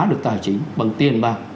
được tài chính bằng tiền bạc